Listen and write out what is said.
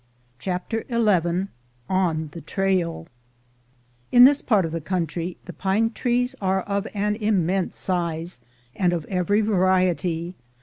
CHAPTER XI ON THE TRAIL IN this part of the country the pine trees are of an immense size, and of every variety.